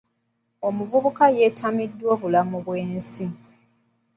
Omuvubuka yeetamiddwa obulamu bw'ensi.